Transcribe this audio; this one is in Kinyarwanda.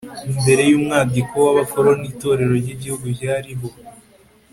mbere y'umwaduko w'abakoloni itorero ry'igihugu ryari ho